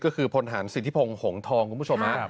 ก็คือพลฐานสิทธิพงฮงทองคุณผู้ชมครับ